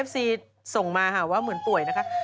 เอฟซีส่งมาว่าเหมือนป่วยนะคะ